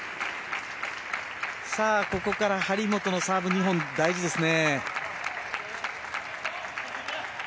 ここから張本のサーブ２本大事ですね。